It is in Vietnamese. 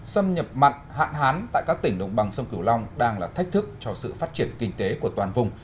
xâm nhập mặn hạn hán tại các tỉnh đồng bằng sông cửu long đang là thách thức cho sự phát triển kinh tế của toàn vùng